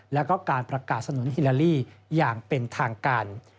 และการประกาศนฮิลาลีอย่างเป็นทางการ